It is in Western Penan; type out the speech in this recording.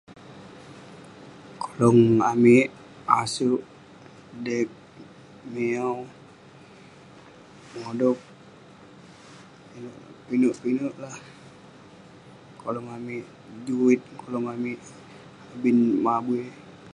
Kolong amik ; asouk, deg, miaw, modog. Inouk, pinek pinek lah kolong amik. Juit, kolong amik abin mabui.